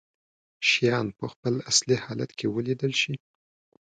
شيان په خپل اصلي حالت کې ولیدلی شي.